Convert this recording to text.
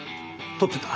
撮ってた？